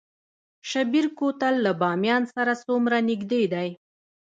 شیبر کوتل له بامیان سره څومره نږدې دی؟